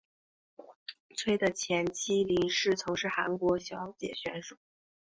崔的前妻林氏曾是韩国小姐选手。